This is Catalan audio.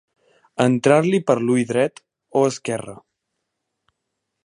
Entrar-li per l'ull dret o esquerre.